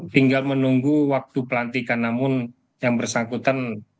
tinggal menunggu waktu pelantikan namun yang bersangkutan